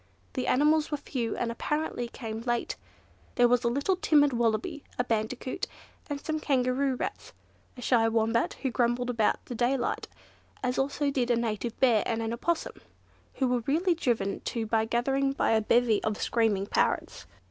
The animals were few, and apparently came late. There was a little timid Wallaby, a Bandicoot, some Kangaroo Rats, a shy Wombat who grumbled about the daylight, as also did a Native Bear and an Opossum, who were really driven to the gathering by a bevy of screaming parrots.